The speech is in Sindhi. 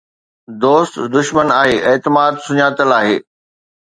دوست دشمن آهي، اعتماد سڃاتل آهي!